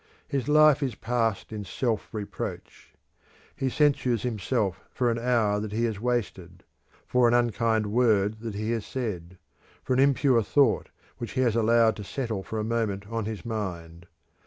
His life is passed in self reproach. He censures himself for an hour that he has wasted; for an unkind word that he has said; for an impure thought which he has allowed to settle for a moment on his mind.